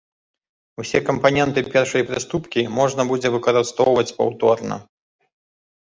Усе кампаненты першай прыступкі можна будзе выкарыстоўваць паўторна.